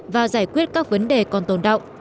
và giải quyết các vấn đề còn tồn đọng